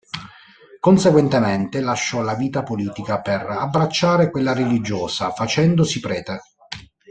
Conseguentemente lasciò la vita politica per abbracciare quella religiosa facendosi prete.